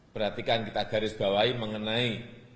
perhatikan kita garis bawahi mengenai